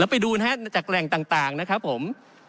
ไปดูนะครับจากแหล่งต่างนะครับผม